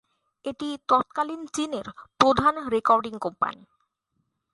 এটি তৎকালীন চীনের প্রধান রেকর্ডিং কোম্পানি।